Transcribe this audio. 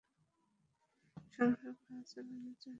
সংসার খরচ চালানোর জন্য তাঁদের সহায়-সম্বল বলতে আছে আড়াই বিঘা জমি।